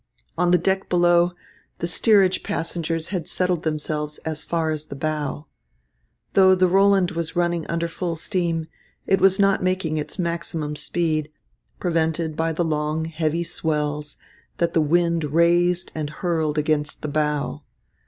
On the deck below, the steerage passengers had settled themselves as far as the bow. Though the Roland was running under full steam, it was not making its maximum speed, prevented by the long, heavy swells that the wind raised and hurled against the bow.